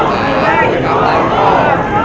มุมการก็แจ้งแล้วเข้ากลับมานะครับ